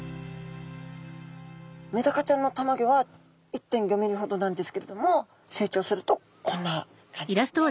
メダカちゃんのたまギョは１．５ｍｍほどなんですけれども成長するとこんな感じですね。